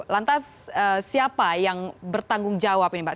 lantas siapa yang bertanggung jawab ini pak